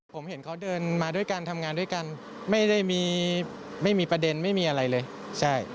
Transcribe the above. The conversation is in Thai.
ผมเห็นเขาเดินมาด้วยกันทำงานด้วยกันไม่ได้มีไม่มีประเด็นไม่มีอะไรเลยใช่